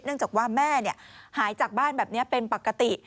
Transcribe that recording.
จากว่าแม่หายจากบ้านแบบนี้เป็นปกติ